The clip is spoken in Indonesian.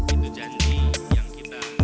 itu janji yang kita